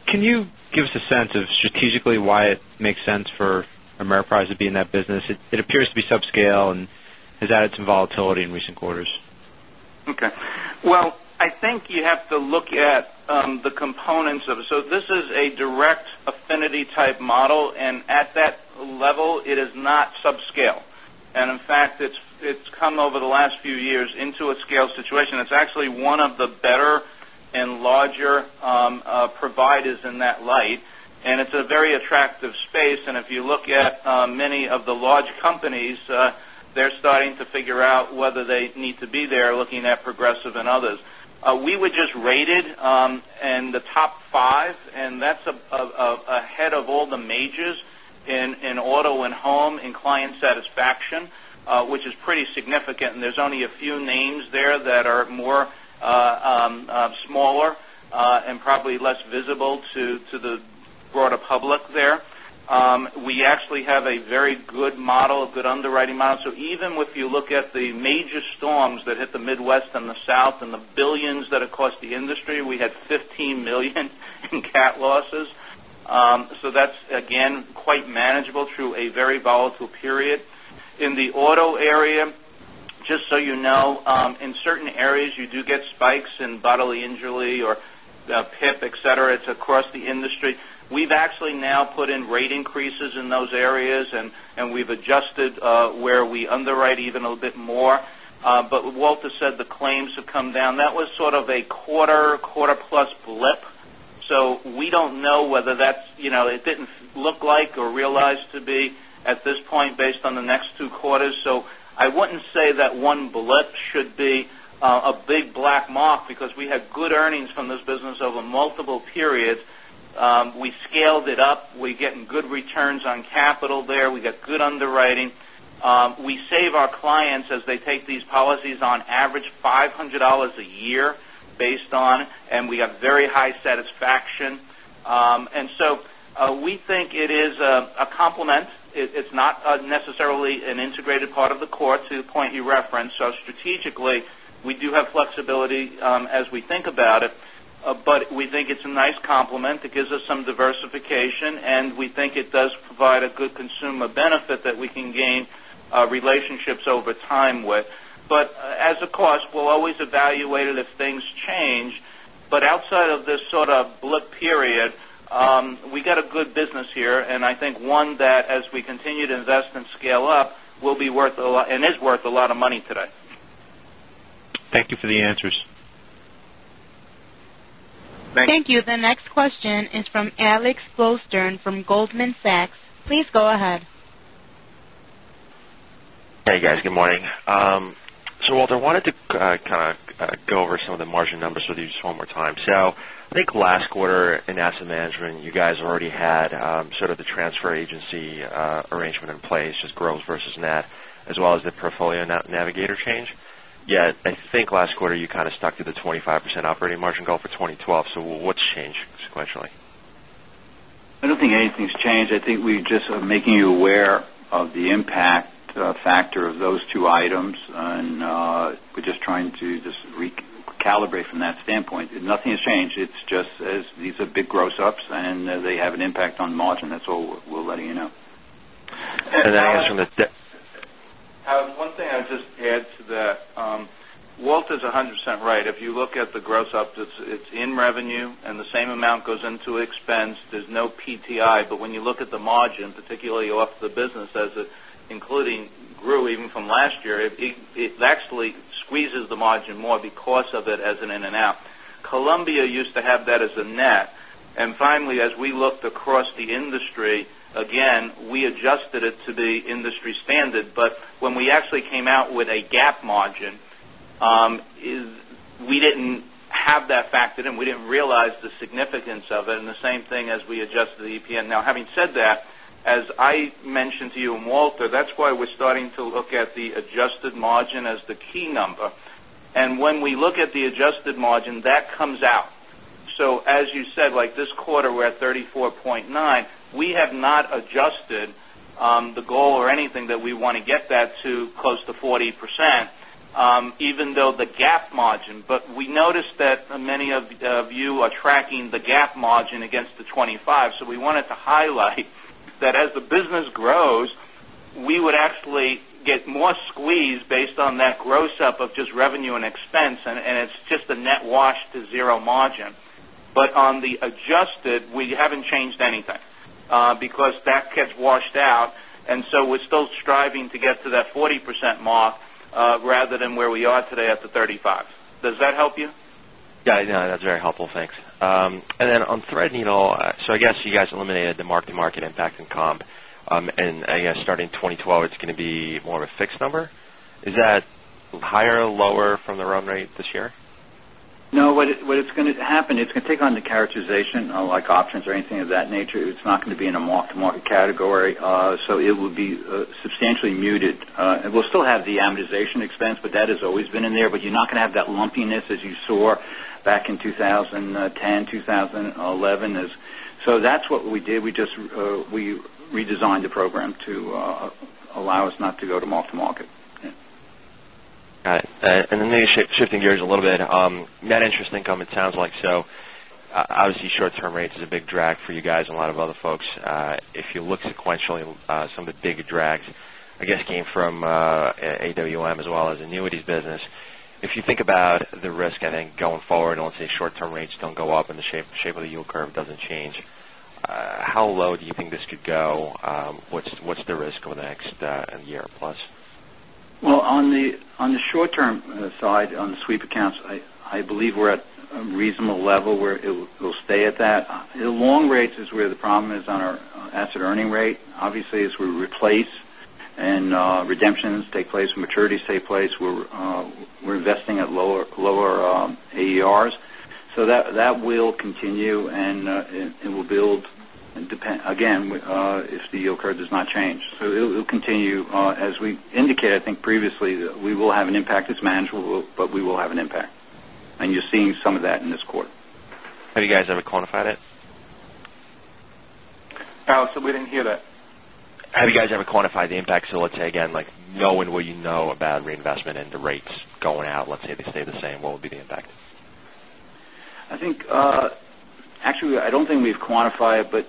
can you give us a sense of strategically why it makes sense for Ameriprise to be in that business? It appears to be subscale and has added some volatility in recent quarters. I think you have to look at the components of it. This is a direct affinity-type model, and at that level, it is not subscale. In fact, it's come over the last few years into a scale situation. It's actually one of the better and larger providers in that light, and it's a very attractive space. If you look at many of the large companies, they're starting to figure out whether they need to be there looking at Progressive and others. We were just rated in the top 5, and that's ahead of all the majors in auto and home in client satisfaction, which is pretty significant. There's only a few names there that are more smaller, and probably less visible to the broader public there. We actually have a very good model, a good underwriting model. Even if you look at the major storms that hit the Midwest and the South and the $billions that it cost the industry, we had $15 million in cat losses. That's, again, quite manageable through a very volatile period. In the auto area, just you know, in certain areas, you do get spikes in bodily injury or PIP, et cetera. It's across the industry. We've actually now put in rate increases in those areas, we've adjusted where we underwrite even a bit more. Walter said the claims have come down. That was sort of a quarter-plus blip. We don't know whether it didn't look like or realize to be at this point based on the next two quarters. I wouldn't say that one blip should be a big black mark because we had good earnings from this business over multiple periods. We scaled it up. We're getting good returns on capital there. We got good underwriting. We save our clients as they take these policies on average $500 a year based on, we have very high satisfaction. We think it is a complement. It's not necessarily an integrated part of the core to the point you referenced. Strategically, we do have flexibility as we think about it. We think it's a nice complement. It gives us some diversification, we think it does provide a good consumer benefit that we can gain relationships over time with. As a cost, we'll always evaluate it if things change. Outside of this sort of blip period, we got a good business here, I think one that as we continue to invest and scale up, will be worth a lot and is worth a lot of money today. Thank you for the answers. Thanks. Thank you. The next question is from Alex Blostein from Goldman Sachs. Please go ahead. Hey, guys. Good morning. Walter, I wanted to go over some of the margin numbers with you just one more time. I think last quarter in asset management, you guys already had sort of the transfer agency arrangement in place, just gross versus net, as well as the Portfolio Navigator change. I think last quarter, you kind of stuck to the 25% operating margin goal for 2012. What's changed sequentially? I don't think anything's changed. I think we just are making you aware of the impact factor of those two items, and we're just trying to just recalibrate from that standpoint. Nothing has changed. It's just these are big gross ups, and they have an impact on margin. That's all we're letting you know. I guess from the- One thing I'd just add to that. Walter is 100% right. If you look at the gross up, it's in revenue and the same amount goes into expense. There's no PTI. When you look at the margin, particularly off the business as including gross Even from last year, it actually squeezes the margin more because of it as an in and out. Columbia used to have that as a net. Finally, as we looked across the industry, again, we adjusted it to the industry standard, but when we actually came out with a GAAP margin, we didn't have that factored in. We didn't realize the significance of it, and the same thing as we adjusted the EPN. Having said that, as I mentioned to you and Walter, that's why we're starting to look at the adjusted margin as the key number. When we look at the adjusted margin, that comes out. As you said, like this quarter, we're at 34.9%. We have not adjusted the goal or anything that we want to get that to close to 40%, even though the GAAP margin. We noticed that many of you are tracking the GAAP margin against the 25%. We wanted to highlight that as the business grows, we would actually get more squeeze based on that gross up of just revenue and expense, and it's just a net wash to 0% margin. On the adjusted, we haven't changed anything because that gets washed out. We're still striving to get to that 40% mark rather than where we are today at the 35%. Does that help you? Yeah. That's very helpful. Thanks. On Threadneedle, I guess you guys eliminated the mark-to-market impact in comm, and I guess starting 2012, it's going to be more of a fixed number. Is that higher or lower from the run rate this year? No. What is going to happen, it's going to take on the characterization, unlike options or anything of that nature. It's not going to be in a mark-to-market category. It will be substantially muted. It will still have the amortization expense, but that has always been in there, but you're not going to have that lumpiness as you saw back in 2010, 2011. That's what we did. We redesigned the program to allow us not to go to mark-to-market. Got it. Maybe shifting gears a little bit. Net interest income, it sounds like so. Obviously, short-term rates is a big drag for you guys and a lot of other folks. If you look sequentially, some of the big drags, I guess, came from AWM as well as annuities business. If you think about the risk, I think going forward, let's say short-term rates don't go up and the shape of the yield curve doesn't change, how low do you think this could go? What's the risk over the next year plus? Well, on the short-term side, on the sweep accounts, I believe we're at a reasonable level where it will stay at that. The long rates is where the problem is on our asset earning rate. Obviously, as we replace and redemptions take place, maturities take place, we're investing at lower AERs. That will continue, and it will build, again if the yield curve does not change. It'll continue. As we indicated, I think previously, that we will have an impact that's manageable, but we will have an impact. You're seeing some of that in this quarter. Have you guys ever quantified it? Alex, we didn't hear that. Have you guys ever quantified the impact? Let's say again, like knowing what you know about reinvestment and the rates going out, let's say they stay the same, what would be the impact? Actually, I don't think we've quantified, but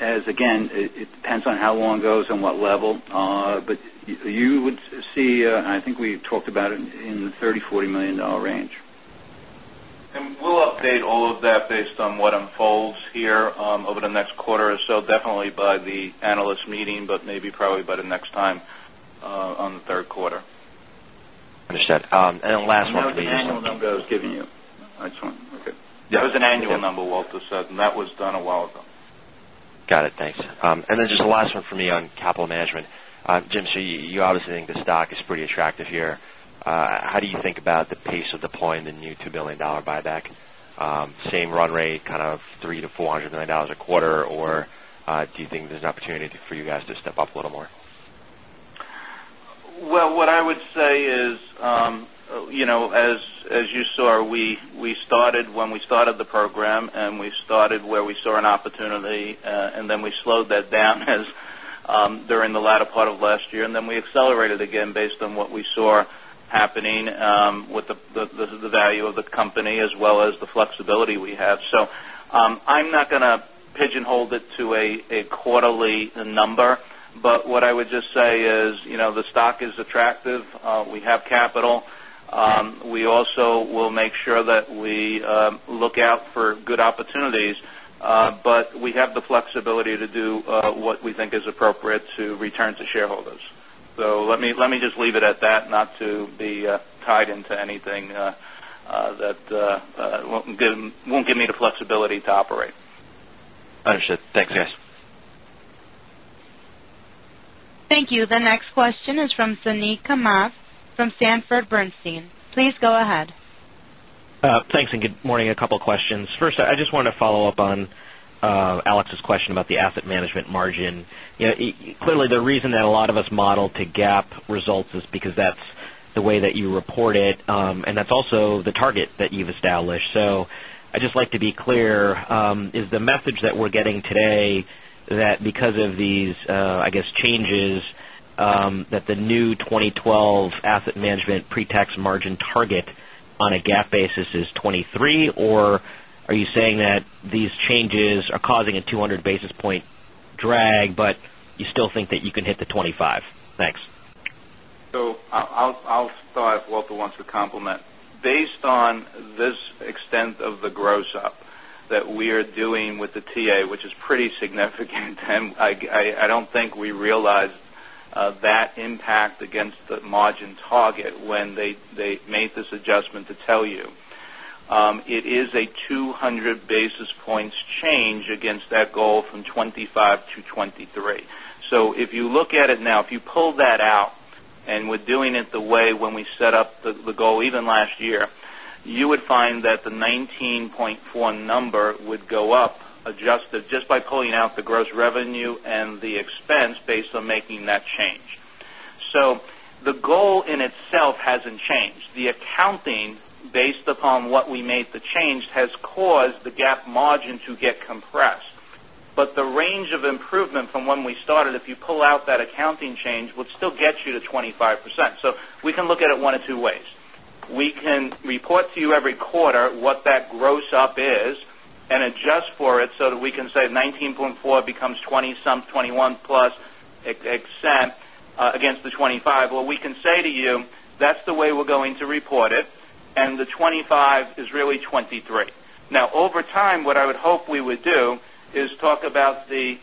again, it depends on how long it goes, on what level. You would see, and I think we talked about it in the $30 million-$40 million range. We'll update all of that based on what unfolds here over the next quarter or so, definitely by the analyst meeting, but maybe probably by the next time on the third quarter. Understood. Last one for me. There was an annual number I was giving you. There was an annual number Walter said, and that was done a while ago. Got it. Thanks. Just the last one for me on capital management. Jim, you obviously think the stock is pretty attractive here. How do you think about the pace of deploying the new $2 billion buyback? Same run rate, kind of $300 million-$400 million a quarter, or do you think there's an opportunity for you guys to step up a little more? Well, what I would say is, as you saw, when we started the program, we started where we saw an opportunity, we slowed that down as during the latter part of last year, we accelerated again based on what we saw happening with the value of the company as well as the flexibility we have. I'm not going to pigeonhole it to a quarterly number. What I would just say is the stock is attractive. We have capital. We also will make sure that we look out for good opportunities, but we have the flexibility to do what we think is appropriate to return to shareholders. Let me just leave it at that, not to be tied into anything that won't give me the flexibility to operate. Understood. Thanks, guys. Thank you. The next question is from Suneet Kamath from Sanford C. Bernstein. Please go ahead. Thanks, and good morning. A couple of questions. First, I just wanted to follow up on Alex's question about the asset management margin. Clearly, the reason that a lot of us model to GAAP results is because that's the way that you report it, and that's also the target that you've established. I'd just like to be clear, is the message that we're getting today that because of these, I guess changes, that the new 2012 asset management pre-tax margin target on a GAAP basis is 23, or are you saying that these changes are causing a 200 basis point drag, but you still think that you can hit the 25? Thanks. I'll start if Walter wants to complement. Based on this extent of the gross up That we are doing with the TA, which is pretty significant. I don't think we realize that impact against the margin target when they made this adjustment to tell you. It is a 200 basis points change against that goal from 25 to 23. If you look at it now, if you pull that out, and we're doing it the way when we set up the goal even last year, you would find that the 19.1 number would go up, adjusted just by pulling out the gross revenue and the expense based on making that change. The goal in itself hasn't changed. The accounting, based upon what we made the change, has caused the GAAP margin to get compressed. The range of improvement from when we started, if you pull out that accounting change, would still get you to 25%. We can look at it one of two ways. We can report to you every quarter what that gross up is and adjust for it so that we can say 19.4 becomes 20-some, 21-plus percent against the 25. We can say to you, that's the way we're going to report it, and the 25 is really 23. Over time, what I would hope we would do is talk about the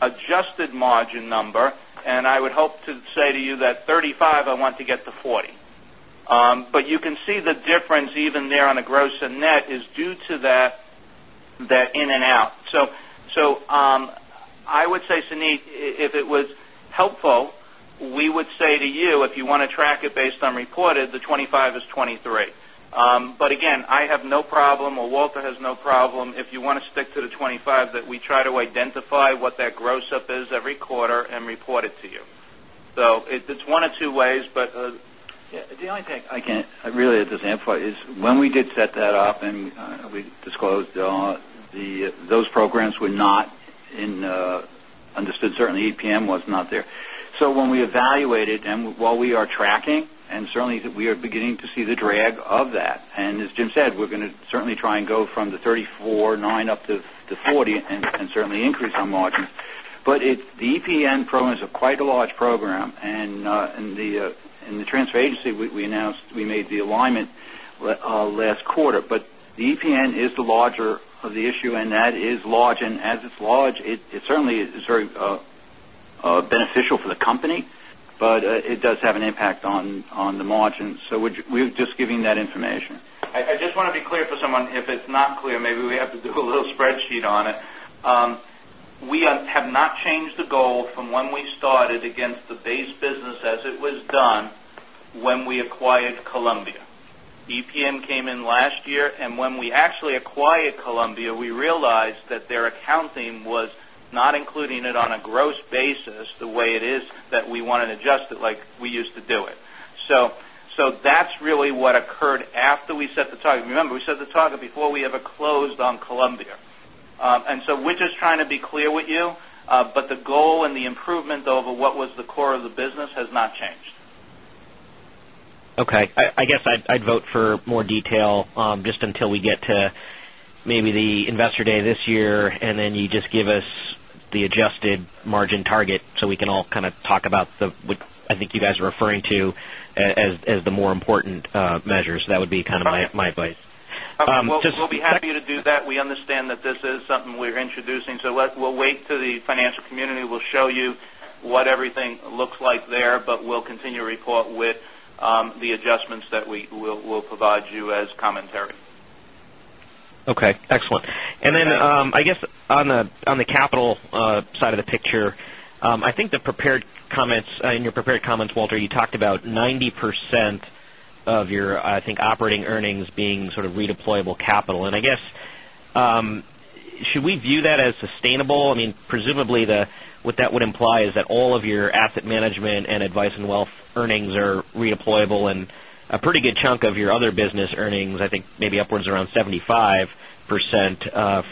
adjusted margin number, and I would hope to say to you that 35, I want to get to 40. You can see the difference even there on a gross and net is due to that in and out. I would say, Suneet, if it was helpful, we would say to you, if you want to track it based on reported, the 25 is 23. Again, I have no problem, or Walter has no problem, if you want to stick to the 25, that we try to identify what that gross up is every quarter and report it to you. It's one of two ways. The only thing I can really at this point is when we did set that up and we disclosed those programs were not understood. Certainly, EPN was not there. When we evaluated and while we are tracking, and certainly we are beginning to see the drag of that, and as Jim said, we're going to certainly try and go from the 34.9 up to 40 and certainly increase our margins. The EPN program is quite a large program, and the transfer agency we announced we made the alignment last quarter. The EPN is the larger of the issue, and that is large, and as it's large, it certainly is very beneficial for the company, but it does have an impact on the margins. We're just giving that information. I just want to be clear for someone. If it's not clear, maybe we have to do a little spreadsheet on it. We have not changed the goal from when we started against the base business as it was done when we acquired Columbia. EPN came in last year, and when we actually acquired Columbia, we realized that their accounting was not including it on a gross basis the way it is that we want to adjust it like we used to do it. That's really what occurred after we set the target. Remember, we set the target before we ever closed on Columbia. We're just trying to be clear with you, the goal and the improvement over what was the core of the business has not changed. Okay. I guess I'd vote for more detail, just until we get to maybe the investor day this year, and then you just give us the adjusted margin target so we can all kind of talk about what I think you guys are referring to as the more important measures. That would be kind of my advice. We'll be happy to do that. We understand that this is something we're introducing, so we'll wait till the financial community will show you what everything looks like there, but we'll continue to report with the adjustments that we'll provide you as commentary. Okay, excellent. Then I guess on the capital side of the picture, I think in your prepared comments, Walter, you talked about 90% of your, I think, operating earnings being sort of redeployable capital. I guess, should we view that as sustainable? Presumably, what that would imply is that all of your asset management and advice and wealth earnings are redeployable and a pretty good chunk of your other business earnings, I think maybe upwards around 75%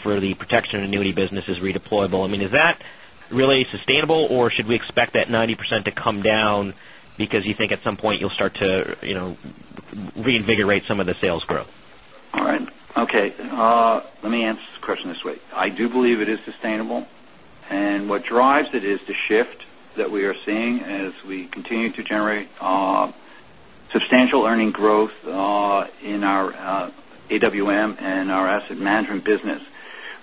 for the protection annuity business is redeployable. Is that really sustainable, or should we expect that 90% to come down because you think at some point you'll start to reinvigorate some of the sales growth? All right. Okay. Let me answer this question this way. I do believe it is sustainable, and what drives it is the shift that we are seeing as we continue to generate substantial earning growth in our AWM and our asset management business.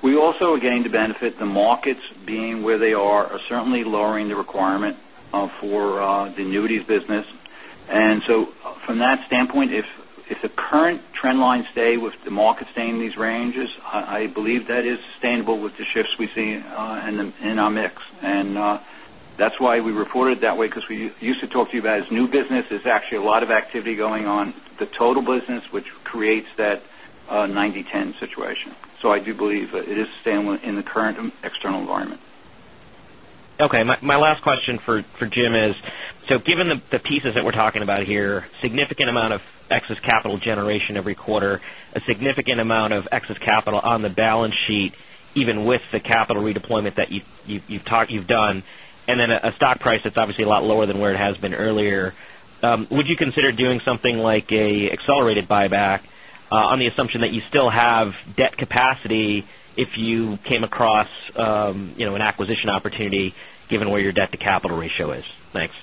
We also are getting to benefit the markets being where they are certainly lowering the requirement for the annuities business. From that standpoint, if the current trend lines stay with the market staying in these ranges, I believe that is sustainable with the shifts we see in our mix. That's why we reported it that way, because we used to talk to you about as new business. There's actually a lot of activity going on, the total business, which creates that 90/10 situation. I do believe it is sustainable in the current external environment. Okay. My last question for Jim is, given the pieces that we're talking about here, significant amount of excess capital generation every quarter, a significant amount of excess capital on the balance sheet, even with the capital redeployment that you've done, a stock price that's obviously a lot lower than where it has been earlier. Would you consider doing something like a accelerated buyback on the assumption that you still have debt capacity if you came across an acquisition opportunity given where your debt to capital ratio is? Thanks.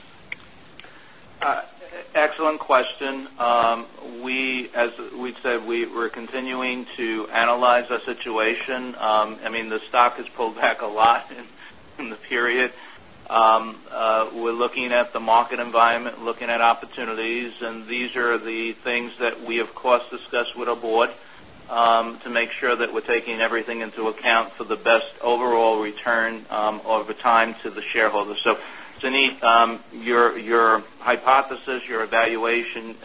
Excellent question. As we've said, we're continuing to analyze our situation. The stock has pulled back a lot in the period. We're looking at the market environment, looking at opportunities, and these are the things that we, of course, discuss with our board, to make sure that we're taking everything into account for the best overall return over time to the shareholders. Suneet, your hypothesis, your evaluation,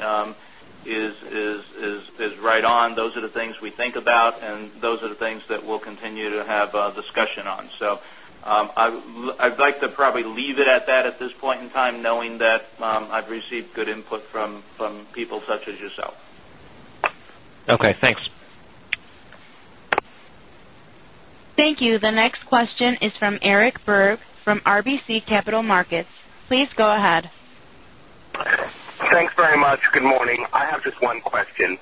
is right on. Those are the things we think about, and those are the things that we'll continue to have a discussion on. I'd like to probably leave it at that at this point in time, knowing that I've received good input from people such as yourself. Okay, thanks. Thank you. The next question is from Eric Berg from RBC Capital Markets. Please go ahead. Thanks very much. Good morning. I have just one question.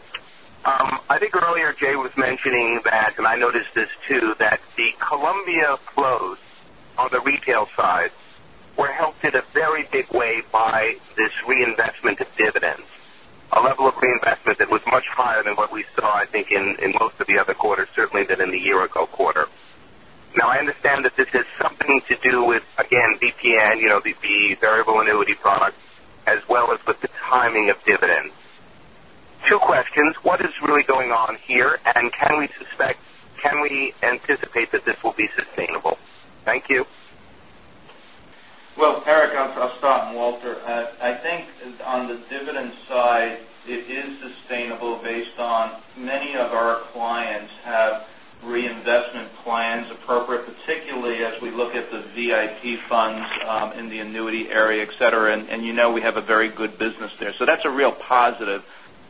I think earlier Jay was mentioning that, and I noticed this too, that the Columbia flows on the retail side were helped in a very big way by this reinvestment of dividends. A level of reinvestment that was much higher than what we saw, I think, in most of the other quarters, certainly than in the year-ago quarter. I understand that this has something to do with, again, VIP, the variable annuity products, as well as with the timing of dividends. Two questions: what is really going on here, and can we anticipate that this will be sustainable? Thank you. Well, Eric Berg, I'll start, and Walter Berman. I think on the dividend side, it is sustainable based on many of our clients have reinvestment plans appropriate, particularly as we look at the VIP funds in the annuity area, et cetera. You know we have a very good business there. That's a real positive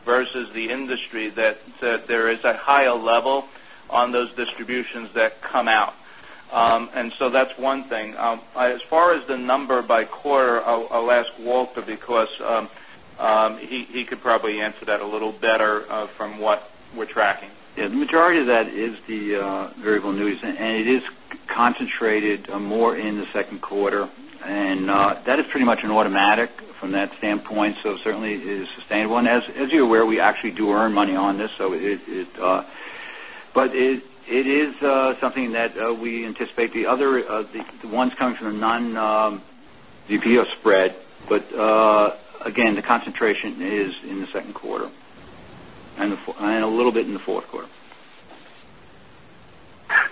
versus the industry that there is a higher level on those distributions that come out. That's one thing. As far as the number by quarter, I'll ask Walter Berman because he could probably answer that a little better from what we're tracking. Yeah, the majority of that is the variable annuities, and it is concentrated more in the second quarter, and that is pretty much an automatic from that standpoint. Certainly it is sustainable. As you're aware, we actually do earn money on this. It is something that we anticipate the other ones coming from the non-VIP spread. Again, the concentration is in the second quarter and a little bit in the fourth quarter.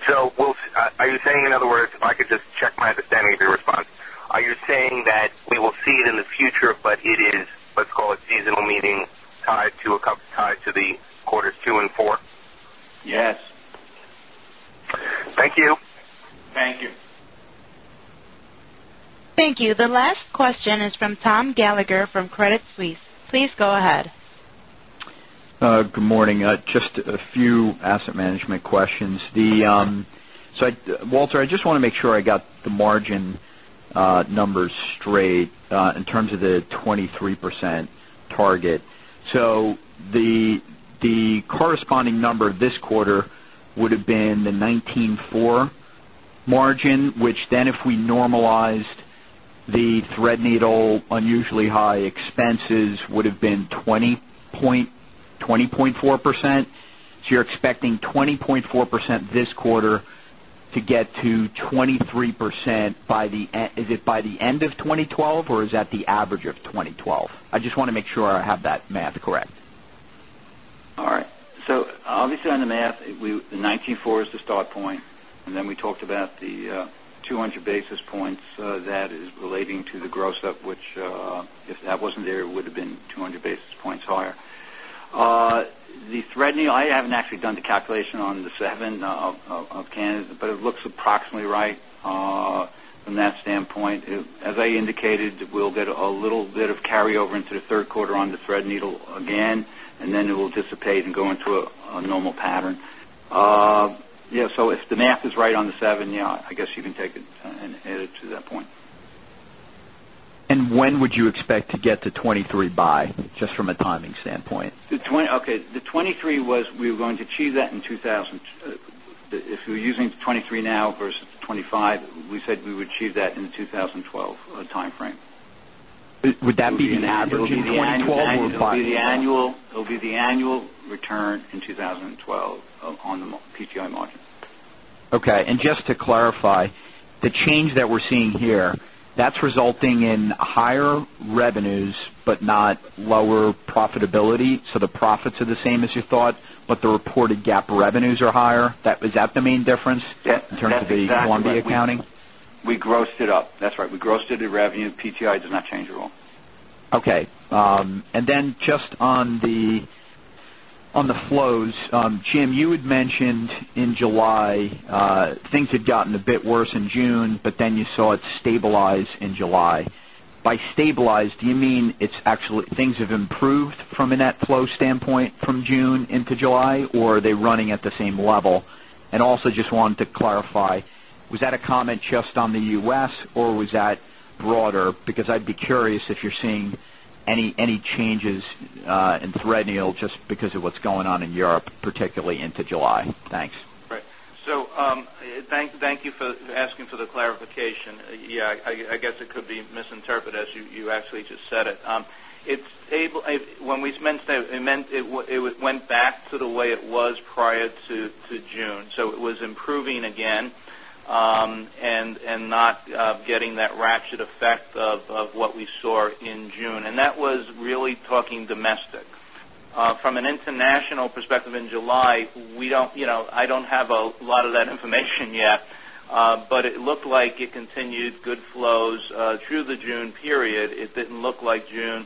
Walter Berman, are you saying, in other words, if I could just check my understanding of your response, are you saying that we will see it in the future, but it is, let's call it seasonal, meaning tied to the quarters two and four? Yes. Thank you. Thank you. Thank you. The last question is from Tom Gallagher from Credit Suisse. Please go ahead. Good morning. Just a few asset management questions. Walter, I just want to make sure I got the margin numbers straight in terms of the 23% target. The corresponding number this quarter would have been the 19.4% margin, which then if we normalized the Threadneedle unusually high expenses, would have been 20.4%. You're expecting 20.4% this quarter to get to 23%, is it by the end of 2012, or is that the average of 2012? I just want to make sure I have that math correct. Obviously on the math, 19.4% is the start point. Then we talked about the 200 basis points. That is relating to the gross-up, which if that wasn't there, it would have been 200 basis points higher. The Threadneedle, I haven't actually done the calculation on the, [inaudible] but it looks approximately right from that standpoint. As I indicated, we'll get a little bit of carryover into the third quarter on the Threadneedle again, and then it will dissipate and go into a normal pattern. If the math is right on the seven, I guess you can take it and add it to that point. When would you expect to get to 23 by, just from a timing standpoint? Okay. The 23 was, we were going to achieve that in 2000. If we're using 23 now versus the 25, we said we would achieve that in the 2012 timeframe. Would that be the average in 2012 or by the end? It'll be the annual return in 2012 on the PTI margin. Okay. Just to clarify, the change that we're seeing here, that's resulting in higher revenues but not lower profitability. The profits are the same as you thought, but the reported GAAP revenues are higher. Is that the main difference in terms of the Columbia accounting? We grossed it up. That's right. We grossed it, the revenue. PTI does not change at all. Okay. Just on the flows, Jim, you had mentioned in July things had gotten a bit worse in June, you saw it stabilize in July. By stabilize, do you mean things have improved from a net flow standpoint from June into July, or are they running at the same level? Also just wanted to clarify, was that a comment just on the U.S. or was that broader? Because I'd be curious if you're seeing any changes in Threadneedle just because of what's going on in Europe, particularly into July. Thanks. Thank you for asking for the clarification. I guess it could be misinterpreted, as you actually just said it. When we meant it went back to the way it was prior to June, it was improving again, not getting that ratchet effect of what we saw in June. That was really talking domestic. From an international perspective, in July, I don't have a lot of that information yet, but it looked like it continued good flows through the June period. It didn't look like June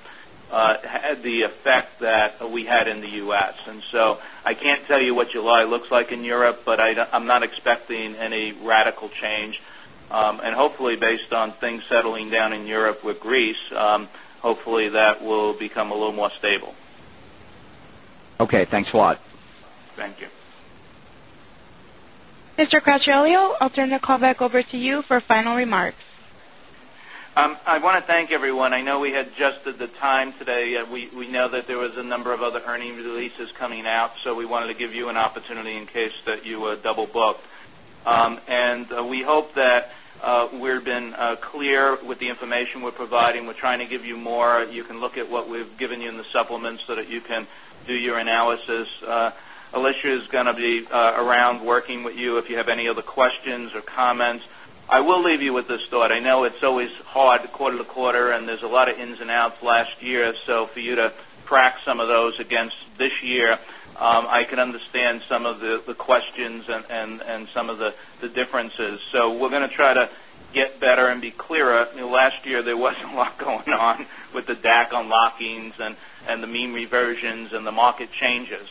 had the effect that we had in the U.S. I can't tell you what July looks like in Europe, I'm not expecting any radical change. Hopefully, based on things settling down in Europe with Greece, hopefully that will become a little more stable. Okay, thanks a lot. Thank you. Mr. Cracchiolo, I'll turn the call back over to you for final remarks. I want to thank everyone. I know we had adjusted the time today. We know that there was a number of other earnings releases coming out, we wanted to give you an opportunity in case that you were double-booked. We hope that we've been clear with the information we're providing. We're trying to give you more. You can look at what we've given you in the supplements so that you can do your analysis. Alicia is going to be around working with you if you have any other questions or comments. I will leave you with this thought. I know it's always hard quarter to quarter, there's a lot of ins and outs last year. For you to track some of those against this year, I can understand some of the questions and some of the differences. We're going to try to get better and be clearer. Last year, there wasn't a lot going on with the DAC unlockings and the mean reversions and the market changes.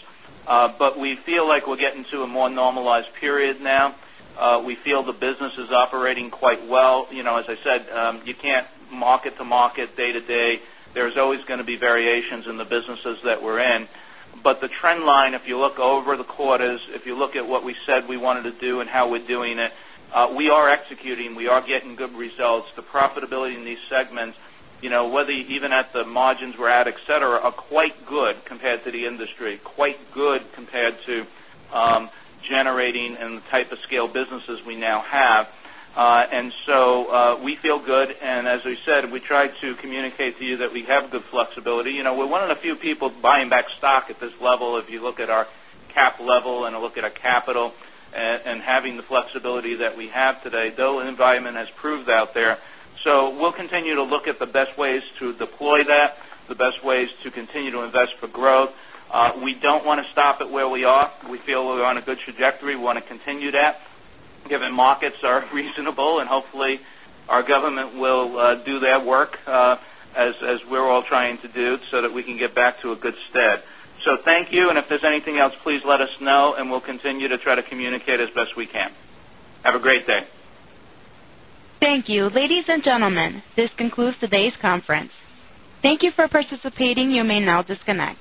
We feel like we're getting to a more normalized period now. We feel the business is operating quite well. As I said, you can't market to market day to day. There's always going to be variations in the businesses that we're in. The trend line, if you look over the quarters, if you look at what we said we wanted to do and how we're doing it, we are executing. We are getting good results. The profitability in these segments, whether even at the margins we're at, et cetera, are quite good compared to the industry, quite good compared to generating and the type of scale businesses we now have. We feel good, and as we said, we tried to communicate to you that we have good flexibility. We're one of the few people buying back stock at this level if you look at our cap level and a look at our capital and having the flexibility that we have today, though an environment has proved out there. We'll continue to look at the best ways to deploy that, the best ways to continue to invest for growth. We don't want to stop at where we are. We feel we're on a good trajectory. We want to continue that given markets are reasonable, and hopefully our government will do their work as we're all trying to do so that we can get back to a good stead. Thank you. If there's anything else, please let us know, and we'll continue to try to communicate as best we can. Have a great day. Thank you. Ladies and gentlemen, this concludes today's conference. Thank you for participating. You may now disconnect.